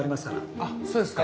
あっそうですか。